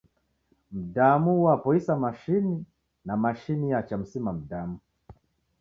Mdamu uaboisa mashini, na mashini iachamsima mdamu!